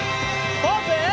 ポーズ！